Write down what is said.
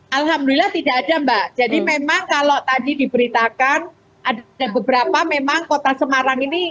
alhamdulillah tidak ada mbak jadi memang kalau tadi diberitakan ada beberapa memang kota semarang ini